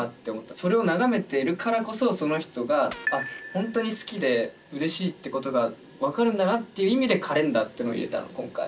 それを眺めてるからこそその人が本当に好きで嬉しいってことが分かるんだなっていう意味で「カレンダー」ってのを入れたの今回。